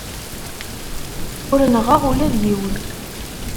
Ur neɣɣeɣ ula d yiwen.